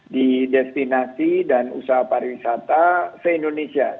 di destinasi dan usaha pariwisata se indonesia